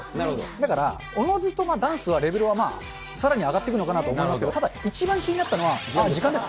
だからおのずとダンスはレベルはさらに上がってくのかなとは思いますけど、ただ、一番気になったのは、あっ、時間です。